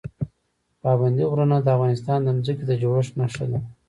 پابندي غرونه د افغانستان د ځمکې د جوړښت نښه ده.